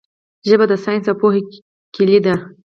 ژبه د ساینس او پوهې کیلي ده.